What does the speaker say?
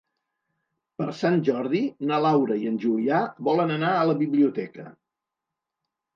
Per Sant Jordi na Laura i en Julià volen anar a la biblioteca.